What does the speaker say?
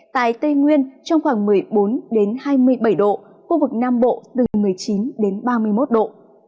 tại tây nguyên trong khoảng một mươi bốn hai mươi bảy độ khu vực nam bộ từ một mươi chín đến ba mươi một độ